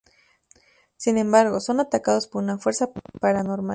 Sin embargo, son atacados por una fuerza paranormal.